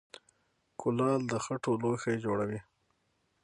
کولال د خټو لوښي جوړوي